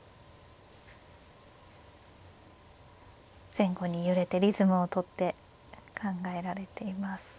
前後に揺れてリズムをとって考えられています。